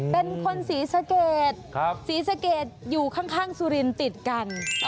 เป็นคนศรีสะเกดศรีสะเกดอยู่ข้างสุรินติดกัน